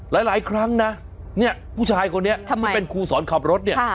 หลายครั้งนะเนี่ยผู้ชายคนนี้ที่เป็นครูสอนขับรถเนี่ย